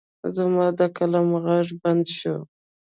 زما د قلم غږ بند شو.